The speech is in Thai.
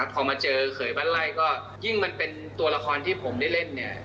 พอมาเจอเขยบ้านไล่ก็ยิ่งมันเป็นตัวละครที่ผมได้เล่นเนี่ย